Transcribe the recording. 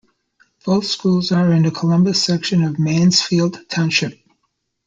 Both schools are in the Columbus section of Mansfield Township.